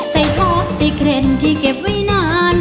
ใส่ทอบสิเกร็ดที่เก็บไว้นาน